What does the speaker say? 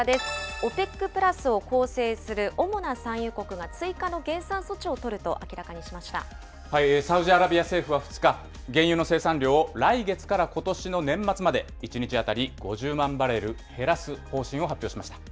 ＯＰＥＣプラスを構成する主な産油国が追加の減産措置を取ると明サウジアラビア政府は２日、原油の生産量を来月からことしの年末まで１日当たり５０万バレル減らす方針を発表しました。